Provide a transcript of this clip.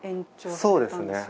そうですね。